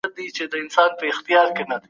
د غریب فریاد څوک نه اوري.